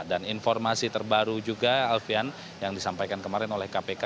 informasi terbaru juga alfian yang disampaikan kemarin oleh kpk